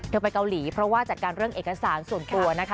ไปเกาหลีเพราะว่าจัดการเรื่องเอกสารส่วนตัวนะคะ